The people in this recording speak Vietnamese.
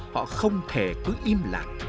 họ không thể cứ im lặng